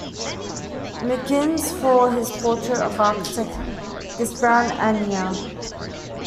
McInnes for his portrait of architect "Desbrowe Annear".